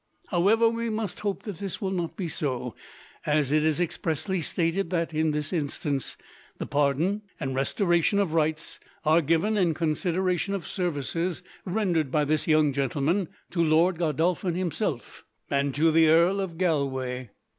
However, we must hope that this will not be so, as it is expressly stated that, in this instance, the pardon and restoration of rights are given in consideration of services rendered by this young gentleman to Lord Godolphin himself, and to the Earl of Galway.